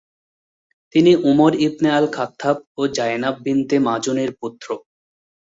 তিনি Umar ibn al-Khattab ও Zaynab bint মাযুনের পুত্র।